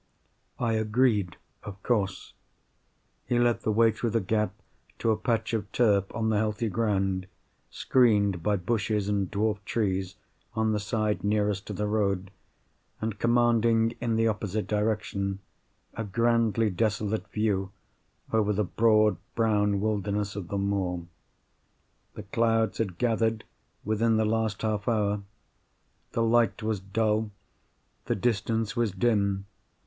I agreed of course. He led the way through the gap to a patch of turf on the heathy ground, screened by bushes and dwarf trees on the side nearest to the road, and commanding in the opposite direction a grandly desolate view over the broad brown wilderness of the moor. The clouds had gathered, within the last half hour. The light was dull; the distance was dim.